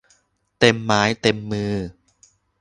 เต็มไม้เต็มมือ